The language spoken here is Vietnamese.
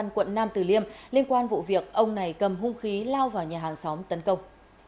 công an quận nam từ liêm liên quan vụ việc ông này cầm hung khí lao vào nhà hàng xóm tấn công